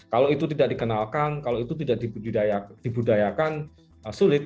kalau itu tidak dikenalkan kalau itu tidak dibudayakan sulit